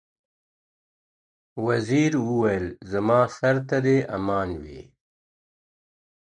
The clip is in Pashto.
وزیر وویل زما سر ته دي امان وي.